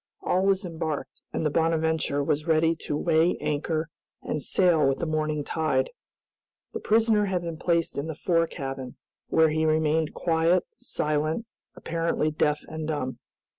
All was embarked, and the "Bonadventure" was ready to weigh anchor and sail with the morning tide. The prisoner had been placed in the fore cabin, where he remained quiet, silent, apparently deaf and dumb.